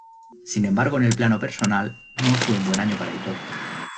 Sin embargo en el plano personal no fue un buen año para Aitor.